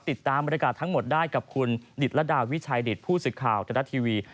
ติดตามบรรยากาศทั้งหมดได้กับคุณดิดละดาวิชัยดิดผู้ศึกข่าวดรทีวี